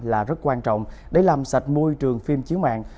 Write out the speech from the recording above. là rất quan trọng để làm sạch môi trường phim chiếu mạng